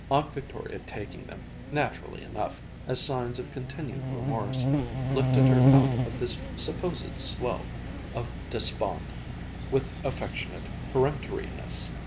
Aunt Victoria taking them, naturally enough, as signs of continued remorse, lifted her out of this supposed slough of despond with affectionate peremptoriness.